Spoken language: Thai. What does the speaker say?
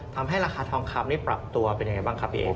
ทำให้ราคาทองคับรับตัวเป็นยังไงบังคับอีก